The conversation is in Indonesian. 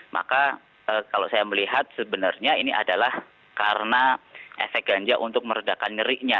maka kalau saya melihat sebenarnya ini adalah karena efek ganja untuk meredakan nyerinya